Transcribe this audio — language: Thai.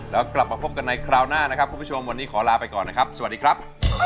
แล้วกลับมาพบกันในคราวหน้านะครับคุณผู้ชมวันนี้ขอลาไปก่อนนะครับสวัสดีครับ